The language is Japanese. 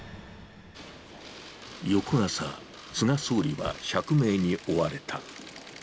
翌朝、菅総理は釈明に追われた。